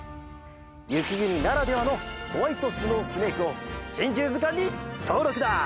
ゆきぐにならではの「ホワイトスノースネーク」を「珍獣図鑑」にとうろくだ！